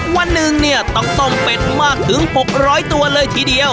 วันหนึ่งเนี่ยต้องต้มเป็ดมากถึง๖๐๐ตัวเลยทีเดียว